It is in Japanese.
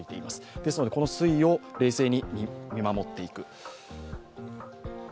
ですのでこの推移を冷静に見守っていく。